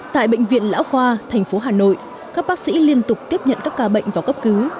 tại bệnh viện lão khoa thành phố hà nội các bác sĩ liên tục tiếp nhận các ca bệnh vào cấp cứu